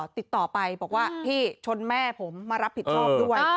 ติดต่อไปบอกว่าพี่ชนแม่ผมมารับผิดชอบด้วย